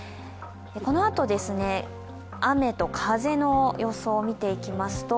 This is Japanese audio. このあと、雨と風の予想を見ていきますと